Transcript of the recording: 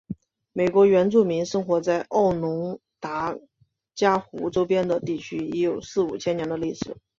美国原住民生活在奥农达伽湖周边地区已有四五千年的历史。